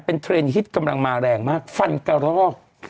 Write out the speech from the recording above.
เป็นเทรนด์ฮิตกำลังมาแรงมากฟันกระรอก